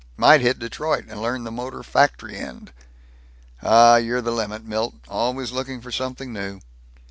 Might hit Detroit, and learn the motor factory end." "Aw, you're the limit, Milt. Always looking for something new."